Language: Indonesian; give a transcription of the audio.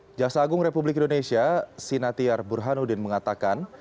kejaksaan agung republik indonesia sinatiar burhanuddin mengatakan